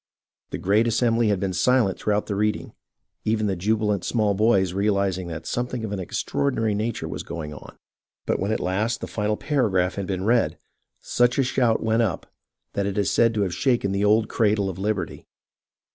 The great assembly had been silent throughout the reading, even the jubilant small boys realizing that something of an extraordinary nature was going on ; but when at last the final paragraph had been read, such a shout went up that it is said to have shaken the old "Cradle of Liberty."